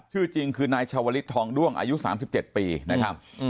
ชื่อจริงคือนายชาวลิศทองด้วงอายุ๓๗ปีนะครับ